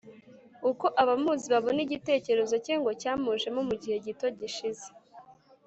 Uko abamuzi babona igitekerezo cye ngo cyamujemo mugihe gito gishize